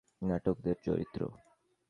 ছদ্মবেশ ধরতেই কি এই সাজ, নাকি নাটকের চরিত্র?